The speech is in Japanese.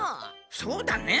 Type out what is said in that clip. そうだね。